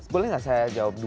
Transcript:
boleh gak saya jawab dua